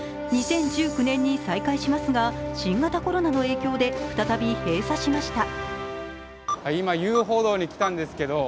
２０１９年に再開しますが、新型コロナの影響で再び閉鎖しました。